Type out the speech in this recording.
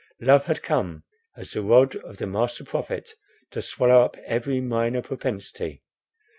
Love had come, as the rod of the master prophet, to swallow up every minor propensity.